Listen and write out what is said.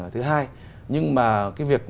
thứ hai nhưng mà cái việc